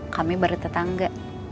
kami baru tetangga